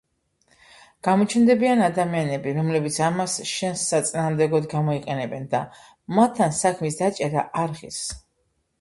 გამოჩნდებიან ადამიანები, რომლებიც ამას შენს საწინააღმდეგოდ გამოიყენებენ და მათთან საქმის დაჭერა არ ღირს".